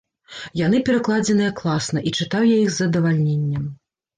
Яны перакладзеныя класна, і чытаў я іх з задавальненнем.